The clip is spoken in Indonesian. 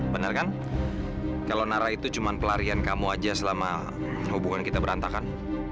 benar kan kalau nara itu cuma pelarian kamu aja selama hubungan kita berantakan